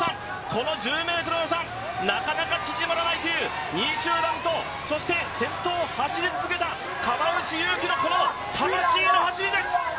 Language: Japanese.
この１０ｍの差、なかなか縮まらないという２位集団とそして先頭を走り続けた川内優輝の魂の走りです！